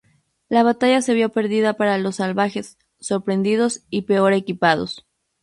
La batalla se vio perdida para los salvajes; sorprendidos y peor equipados.